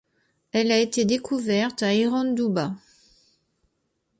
Elle a été découverte à Iranduba.